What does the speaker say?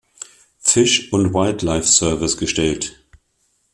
Fish and Wildlife Service gestellt.